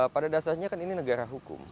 pada dasarnya kan ini negara hukum